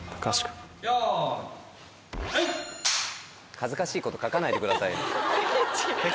・恥ずかしいこと書かないでください。